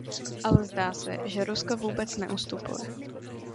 Ale zdá se, že Rusko vůbec neustupuje.